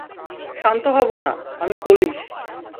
শান্ত হব না, আমি পোলিশ।